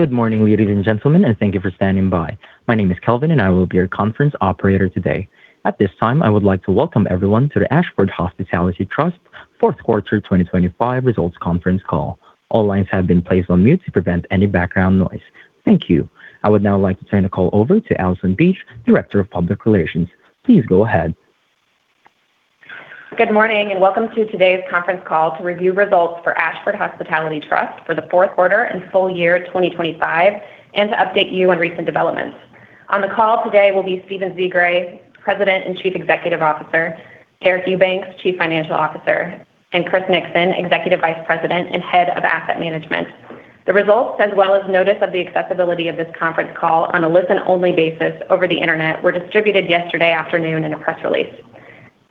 Good morning, ladies and gentlemen, and thank you for standing by. My name is Kelvin, and I will be your conference operator today. At this time, I would like to welcome everyone to the Ashford Hospitality Trust Fourth Quarter 2025 results conference call. All lines have been placed on mute to prevent any background noise. Thank you. I would now like to turn the call over to Allison Beach, Director of Public Relations. Please go ahead. Good morning, and welcome to today's conference call to review results for Ashford Hospitality Trust for the fourth quarter and full year 2025, and to update you on recent developments. On the call today will be Stephen Zsigray, President and Chief Executive Officer, Deric Eubanks, Chief Financial Officer, and Chris Nixon, Executive Vice President and Head of Asset Management. The results, as well as notice of the accessibility of this conference call on a listen-only basis over the Internet, were distributed yesterday afternoon in a press release.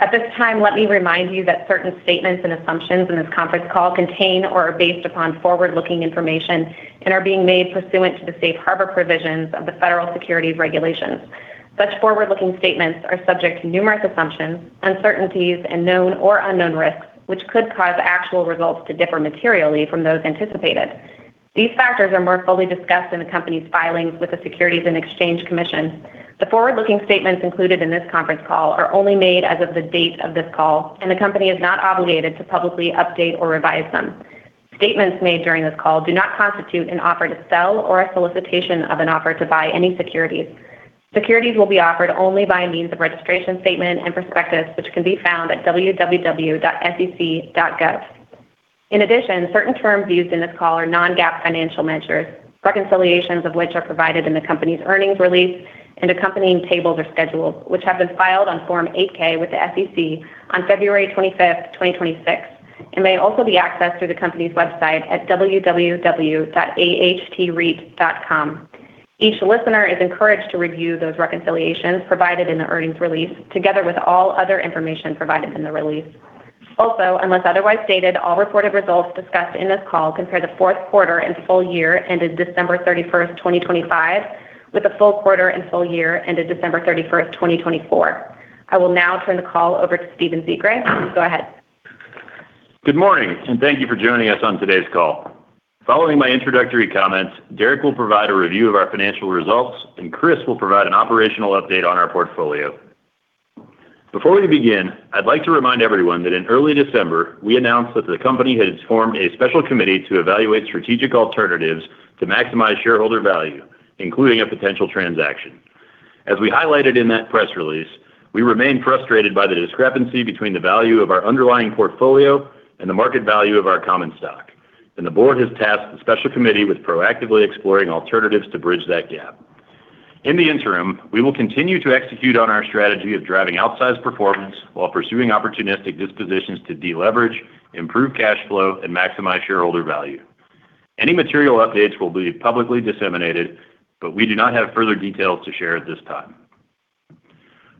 At this time, let me remind you that certain statements and assumptions in this conference call contain or are based upon forward-looking information and are being made pursuant to the safe harbor provisions of the Federal Securities Regulations. Such forward-looking statements are subject to numerous assumptions, uncertainties, and known or unknown risks, which could cause actual results to differ materially from those anticipated. These factors are more fully discussed in the company's filings with the Securities and Exchange Commission. The forward-looking statements included in this conference call are only made as of the date of this call, and the company is not obligated to publicly update or revise them. Statements made during this call do not constitute an offer to sell or a solicitation of an offer to buy any securities. Securities will be offered only by means of registration statement and prospectus, which can be found at www.sec.gov. Certain terms used in this call are non-GAAP financial measures, reconciliations of which are provided in the company's earnings release, and accompanying tables or schedules, which have been filed on Form 8-K with the SEC on February 25th, 2026, and may also be accessed through the company's website at www.ahtreit.com. Each listener is encouraged to review those reconciliations provided in the earnings release, together with all other information provided in the release. Unless otherwise stated, all reported results discussed in this call compare the fourth quarter and full year ended December 31st, 2025, with the full quarter and full year ended December 31st, 2024. I will now turn the call over to Stephen Zsigray. Go ahead. Good morning, and thank you for joining us on today's call. Following my introductory comments, Deric will provide a review of our financial results, and Chris will provide an operational update on our portfolio. Before we begin, I'd like to remind everyone that in early December, we announced that the company had formed a special committee to evaluate strategic alternatives to maximize shareholder value, including a potential transaction. As we highlighted in that press release, we remain frustrated by the discrepancy between the value of our underlying portfolio and the market value of our common stock, and the board has tasked the special committee with proactively exploring alternatives to bridge that gap. In the interim, we will continue to execute on our strategy of driving outsized performance while pursuing opportunistic dispositions to deleverage, improve cash flow, and maximize shareholder value. Any material updates will be publicly disseminated, but we do not have further details to share at this time.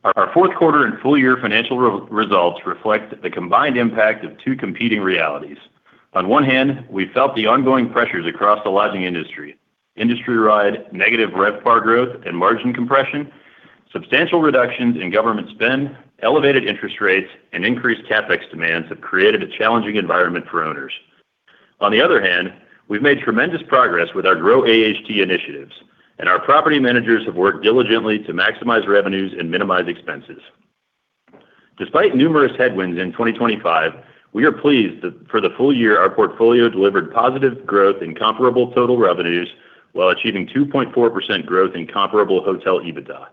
Our fourth quarter and full year financial results reflect the combined impact of two competing realities. On one hand, we felt the ongoing pressures across the lodging industry ride, negative RevPAR growth and margin compression, substantial reductions in government spend, elevated interest rates, and increased CapEx demands have created a challenging environment for owners. On the other hand, we've made tremendous progress with our GRO AHT initiatives, and our property managers have worked diligently to maximize revenues and minimize expenses. Despite numerous headwinds in 2025, we are pleased that for the full year, our portfolio delivered positive growth in comparable total revenues while achieving 2.4% growth in comparable hotel EBITDA.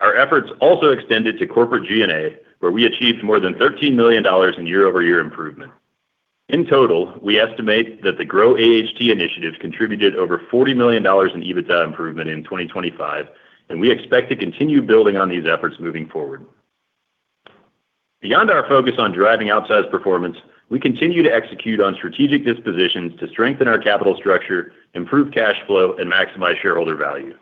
Our efforts also extended to corporate G&A, where we achieved more than $13 million in year-over-year improvement. In total, we estimate that the GRO AHT initiatives contributed over $40 million in EBITDA improvement in 2025. We expect to continue building on these efforts moving forward. Beyond our focus on driving outsized performance, we continue to execute on strategic dispositions to strengthen our capital structure, improve cash flow, and maximize shareholder value.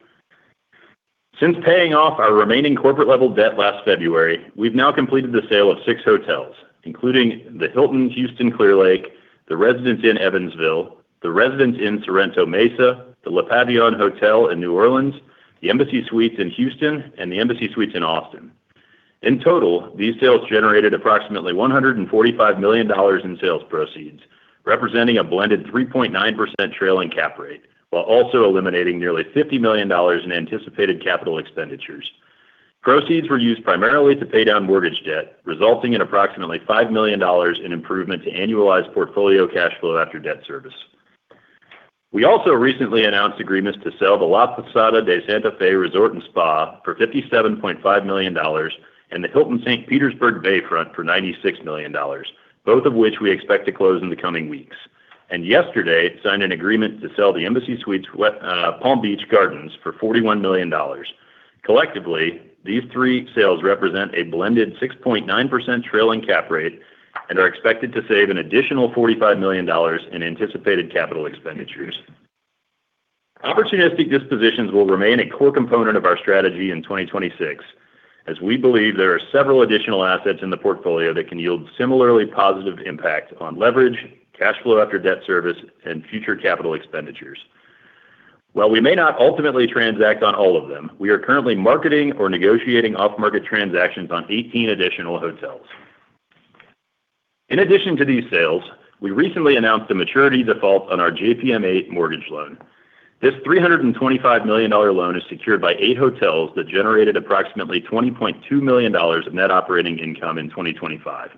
Since paying off our remaining corporate-level debt last February, we've now completed the sale of six hotels, including the Hilton Houston Clear Lake, The Residence Inn, Evansville, The Residence Inn, Sorrento Mesa, the Le Pavillon Hotel in New Orleans, the Embassy Suites in Houston, and the Embassy Suites in Austin. In total, these sales generated approximately $145 million in sales proceeds, representing a blended 3.9% trailing cap rate, while also eliminating nearly $50 million in anticipated capital expenditures. Proceeds were used primarily to pay down mortgage debt, resulting in approximately $5 million in improvement to annualized portfolio cash flow after debt service. We also recently announced agreements to sell the La Posada de Santa Fe Resort & Spa for $57.5 million, and the Hilton St. Petersburg Bayfront for $96 million, both of which we expect to close in the coming weeks. Yesterday, signed an agreement to sell the Embassy Suites Palm Beach Gardens for $41 million. Collectively, these three sales represent a blended 6.9% trailing cap rate and are expected to save an additional $45 million in anticipated capital expenditures. Opportunistic dispositions will remain a core component of our strategy in 2026, as we believe there are several additional assets in the portfolio that can yield similarly positive impact on leverage, cash flow after debt service, and future capital expenditures. While we may not ultimately transact on all of them, we are currently marketing or negotiating off-market transactions on 18 additional hotels. In addition to these sales, we recently announced a maturity default on our JPM8 mortgage loan. This $325 million loan is secured by eight hotels that generated approximately $20.2 million in net operating income in 2025.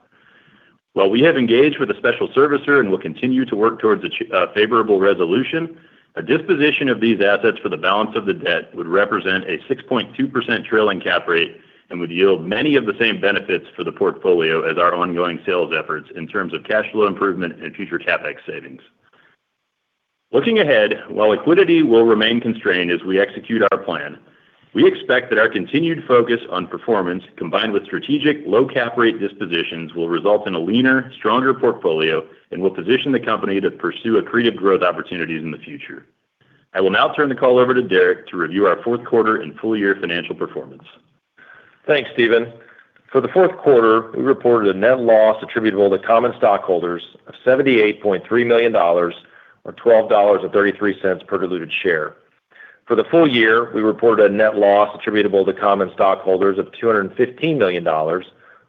While we have engaged with a special servicer and will continue to work towards a favorable resolution, a disposition of these assets for the balance of the debt would represent a 6.2% trailing cap rate and would yield many of the same benefits for the portfolio as our ongoing sales efforts in terms of cash flow improvement and future CapEx savings. Looking ahead, while liquidity will remain constrained as we execute our plan, we expect that our continued focus on performance, combined with strategic low cap rate dispositions, will result in a leaner, stronger portfolio and will position the company to pursue accretive growth opportunities in the future. I will now turn the call over to Deric to review our fourth quarter and full year financial performance. Thanks, Stephen. For the fourth quarter, we reported a net loss attributable to common stockholders of $78.3 million, or $12.33 per diluted share. For the full year, we reported a net loss attributable to common stockholders of $215 million, or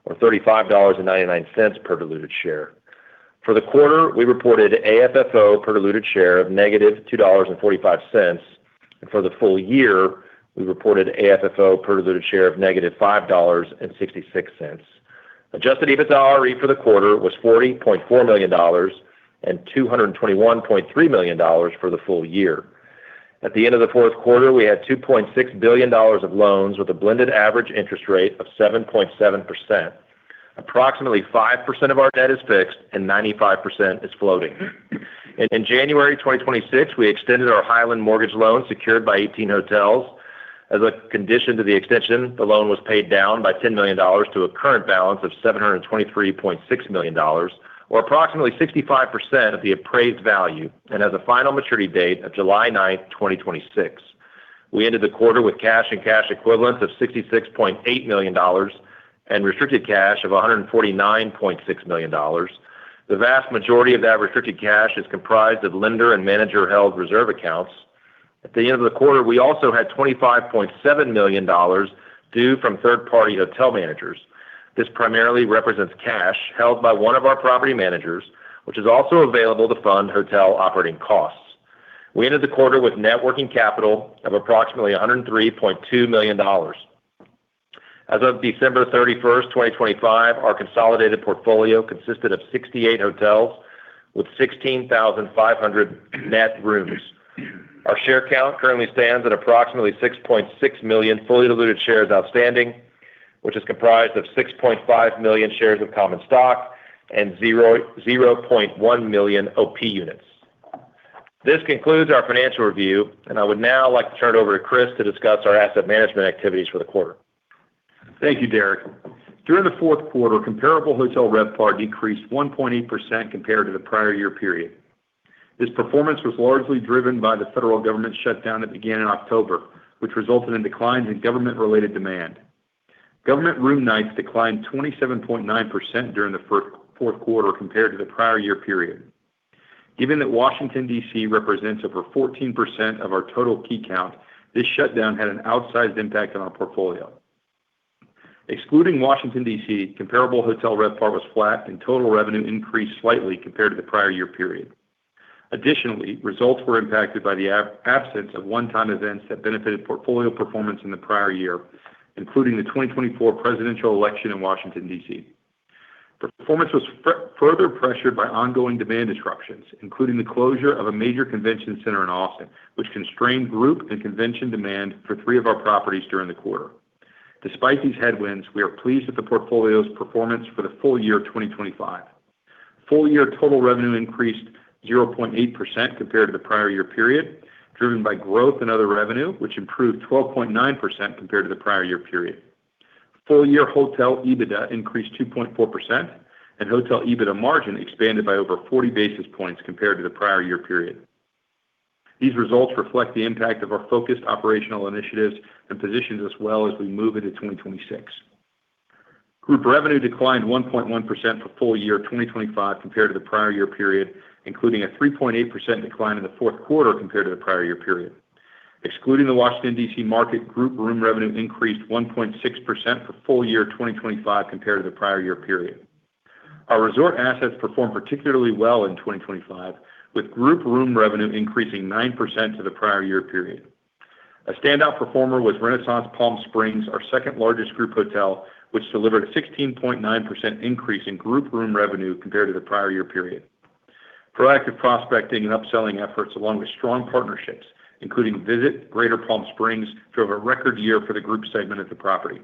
$35.99 per diluted share. For the quarter, we reported AFFO per diluted share of negative $2.45, and for the full year, we reported AFFO per diluted share of negative $5.66. Adjusted EBITDAre for the quarter was $40.4 million and $221.3 million for the full year. At the end of the fourth quarter, we had $2.6 billion of loans with a blended average interest rate of 7.7%. Approximately 5% of our debt is fixed and 95% is floating. In January 2026, we extended our Highland mortgage loan, secured by 18 hotels. As a condition to the extension, the loan was paid down by $10 million to a current balance of $723.6 million, or approximately 65% of the appraised value, and has a final maturity date of July 9th, 2026. We ended the quarter with cash and cash equivalents of $66.8 million and restricted cash of $149.6 million. The vast majority of that restricted cash is comprised of lender and manager-held reserve accounts. At the end of the quarter, we also had $25.7 million due from third-party hotel managers. This primarily represents cash held by one of our property managers, which is also available to fund hotel operating costs. We ended the quarter with net working capital of approximately $103.2 million. As of December 31st, 2025, our consolidated portfolio consisted of 68 hotels with 16,500 net rooms. Our share count currently stands at approximately 6.6 million fully diluted shares outstanding, which is comprised of 6.5 million shares of common stock and 0.1 million OP units. This concludes our financial review. I would now like to turn it over to Chris to discuss our asset management activities for the quarter. Thank you, Deric. During the fourth quarter, comparable hotel RevPAR decreased 1.8% compared to the prior year period. This performance was largely driven by the federal government shutdown that began in October, which resulted in declines in government-related demand. Government room nights declined 27.9% during the fourth quarter compared to the prior year period. Given that Washington, D.C., represents over 14% of our total key count, this shutdown had an outsized impact on our portfolio. Excluding Washington, D.C., comparable hotel RevPAR was flat, and total revenue increased slightly compared to the prior year period. Additionally, results were impacted by the absence of one-time events that benefited portfolio performance in the prior year, including the 2024 presidential election in Washington, D.C. Performance was further pressured by ongoing demand disruptions, including the closure of a major convention center in Austin, which constrained group and convention demand for three of our properties during the quarter. Despite these headwinds, we are pleased with the portfolio's performance for the full year of 2025. Full year total revenue increased 0.8% compared to the prior year period, driven by growth in other revenue, which improved 12.9% compared to the prior year period. Full year hotel EBITDA increased 2.4%, and hotel EBITDA margin expanded by over 40 basis points compared to the prior year period. These results reflect the impact of our focused operational initiatives and positions as well as we move into 2026. Group revenue declined 1.1% for full year 2025 compared to the prior year period, including a 3.8% decline in the fourth quarter compared to the prior year period. Excluding the Washington, D.C., market, group room revenue increased 1.6% for full year 2025 compared to the prior year period. Our resort assets performed particularly well in 2025, with group room revenue increasing 9% to the prior year period. A standout performer was Renaissance Palm Springs, our second-largest group hotel, which delivered a 16.9% increase in group room revenue compared to the prior year period. Proactive prospecting and upselling efforts, along with strong partnerships, including Visit Greater Palm Springs, drove a record year for the group segment at the property.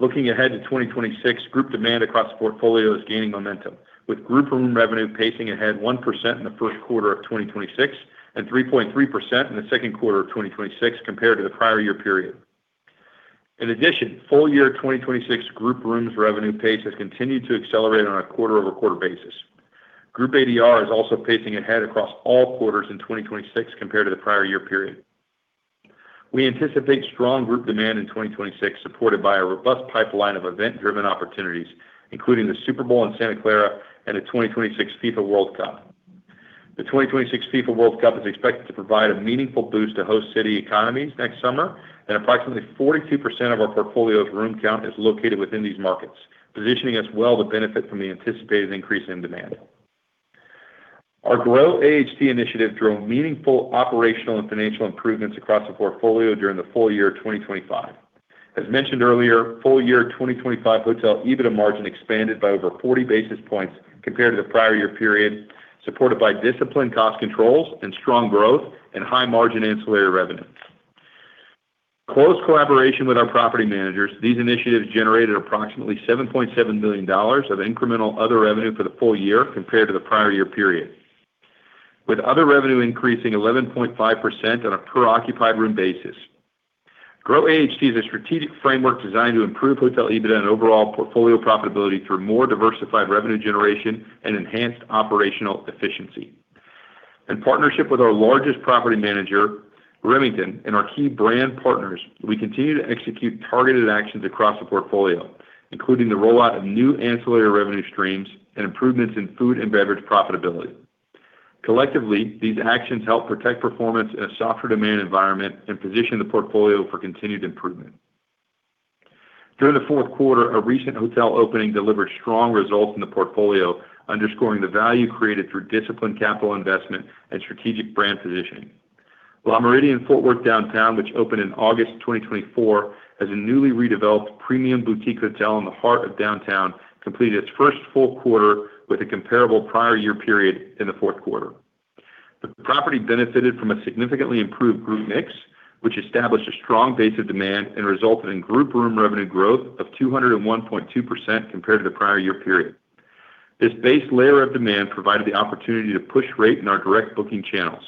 Looking ahead to 2026, group demand across the portfolio is gaining momentum, with group room revenue pacing ahead 1% in the first quarter of 2026 and 3.3% in the second quarter of 2026 compared to the prior year period. Full year 2026 group rooms revenue pace has continued to accelerate on a quarter-over-quarter basis. Group ADR is also pacing ahead across all quarters in 2026 compared to the prior year period. We anticipate strong group demand in 2026, supported by a robust pipeline of event-driven opportunities, including the Super Bowl in Santa Clara and the 2026 FIFA World Cup. The 2026 FIFA World Cup is expected to provide a meaningful boost to host city economies next summer. Approximately 42% of our portfolio's room count is located within these markets, positioning us well to benefit from the anticipated increase in demand. Our GRO AHT initiative drove meaningful operational and financial improvements across the portfolio during the full year of 2025. As mentioned earlier, full year 2025 hotel EBITDA margin expanded by over 40 basis points compared to the prior year period, supported by disciplined cost controls and strong growth and high margin ancillary revenue. Close collaboration with our property managers, these initiatives generated approximately $7.7 billion of incremental other revenue for the full year compared to the prior year period, with other revenue increasing 11.5% on a per occupied room basis. GRO AHT is a strategic framework designed to improve hotel EBITDA and overall portfolio profitability through more diversified revenue generation and enhanced operational efficiency. In partnership with our largest property manager, Remington, and our key brand partners, we continue to execute targeted actions across the portfolio, including the rollout of new ancillary revenue streams and improvements in food and beverage profitability. Collectively, these actions help protect performance in a softer demand environment and position the portfolio for continued improvement. During the fourth quarter, a recent hotel opening delivered strong results in the portfolio, underscoring the value created through disciplined capital investment and strategic brand positioning. Le Méridien Fort Worth Downtown, which opened in August 2024, as a newly redeveloped premium boutique hotel in the heart of downtown, completed its first full quarter with a comparable prior year period in the fourth quarter. The property benefited from a significantly improved group mix, which established a strong base of demand and resulted in group room revenue growth of 201.2% compared to the prior year period. This base layer of demand provided the opportunity to push rate in our direct booking channels.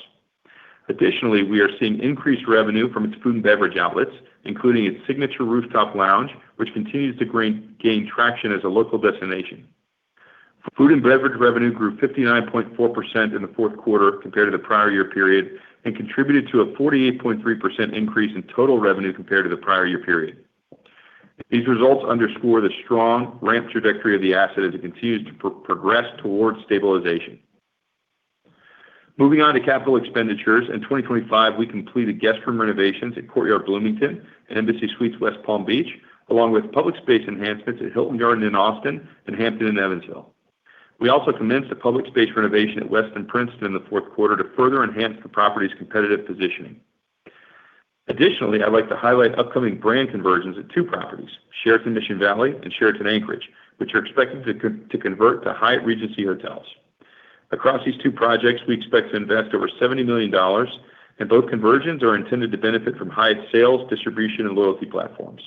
We are seeing increased revenue from its food and beverage outlets, including its signature rooftop lounge, which continues to gain traction as a local destination. Food and beverage revenue grew 59.4% in the fourth quarter compared to the prior year period, and contributed to a 48.3% increase in total revenue compared to the prior year period. These results underscore the strong ramp trajectory of the asset as it continues to progress towards stabilization. Moving on to capital expenditures. In 2025, we completed guest room renovations at Courtyard Bloomington and Embassy Suites West Palm Beach, along with public space enhancements at Hilton Garden in Austin and Hampton in Evansville. We also commenced a public space renovation at Westin Princeton in the fourth quarter to further enhance the property's competitive positioning. Additionally, I'd like to highlight upcoming brand conversions at two properties, Sheraton Mission Valley and Sheraton Anchorage, which are expected to convert to Hyatt Regency Hotels. Across these two projects, we expect to invest over $70 million, and both conversions are intended to benefit from Hyatt's sales, distribution, and loyalty platforms.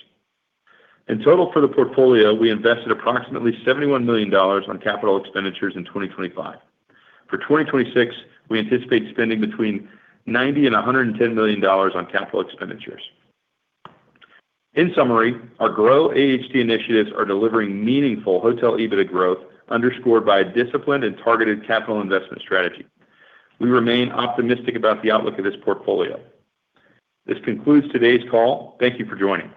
In total, for the portfolio, we invested approximately $71 million on capital expenditures in 2025. For 2026, we anticipate spending between $90 million and $110 million on capital expenditures. In summary, our GRO AHT initiatives are delivering meaningful hotel EBITDA growth, underscored by a disciplined and targeted capital investment strategy. We remain optimistic about the outlook of this portfolio. This concludes today's call. Thank you for joining.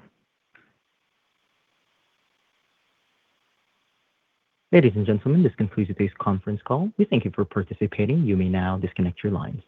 Ladies and gentlemen, this concludes today's conference call. We thank you for participating. You may now disconnect your lines.